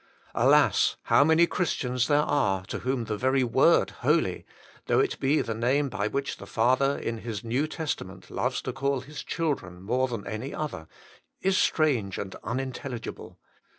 Alas ! how many Christians there are to whom the very word Holy, though it be the name by which the Father, in His New Testament, loves to call His children more than any other, is strange and unintelligible.